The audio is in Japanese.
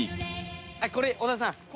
これ小田さん。